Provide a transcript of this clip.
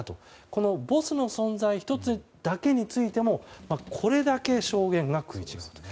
このボスの存在１つだけについてもこれだけ証言が食い違っていると。